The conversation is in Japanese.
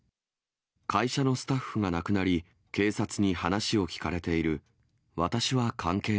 会社のスタッフが亡くなり、警察に話を聴かれている。